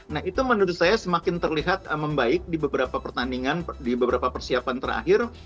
nah itu menurut saya semakin terlihat membaik di beberapa pertandingan di beberapa persiapan terakhir